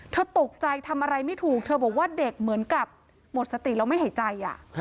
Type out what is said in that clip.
ตกใจทำอะไรไม่ถูกเธอบอกว่าเด็กเหมือนกับหมดสติแล้วไม่หายใจ